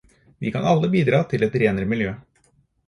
Vi kan alle bidra til et renere miljø.